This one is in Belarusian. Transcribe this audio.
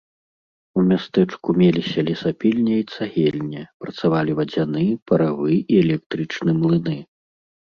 У мястэчку меліся лесапільня і цагельня, працавалі вадзяны, паравы і электрычны млыны.